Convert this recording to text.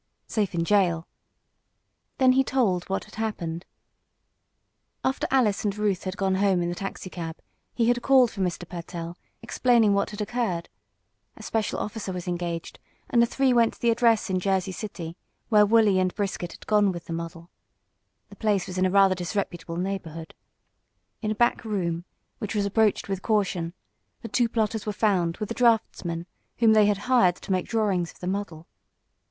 "Safe in jail." Then he told what had happened. After Alice and Ruth had gone home in the taxicab he had called for Mr. Pertell, explaining what had occurred. A special officer was engaged, and the three went to the address in Jersey City, where Wolley and Brisket had gone with the model. The place was in a rather disreputable neighborhood. In a back room, which was approached with caution, the two plotters were found with a draughtsman whom they had hired to make drawings of the model.